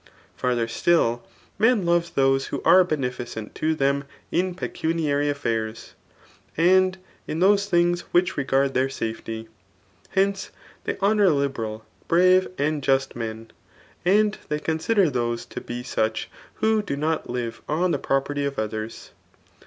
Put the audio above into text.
Farther still, men love those vriio are beneficent to them in pecuniary afiairs, andih those things which regard their safety. Hence they honour liberal, brave, and just men ; and they consider those to be such who do not live on the property of others.